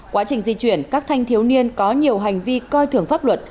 quá trình di chuyển các thanh thiếu niên có nhiều hành vi coi thường pháp luật